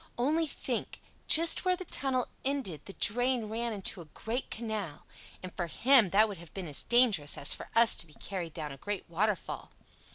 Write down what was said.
Only think—just where the tunnel ended the drain ran into a great canal; and for him that would have been as dangerous as for us to be carried down a great waterfall.